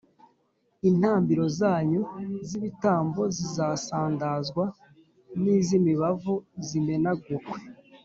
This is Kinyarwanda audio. Intambiro zanyu z’ibitambo zizasandazwa, n’iz’imibavu zimenagurwe